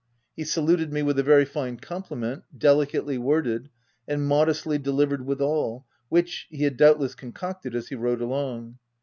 He saluted me with a very fine compliment, delicately worded, and modestly delivered withal, which, he had doubtless concocted as he rode along.